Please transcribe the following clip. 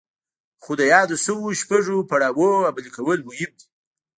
خو د يادو شويو شپږو پړاوونو عملي کول مهم دي.